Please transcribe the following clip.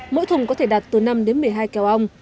mỗi thùng có thể đạt từ năm đến một mươi hai kèo ong